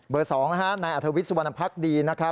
เบอร์๒นะคะนายอัธวิทย์สุวรรณภักดีนะคะ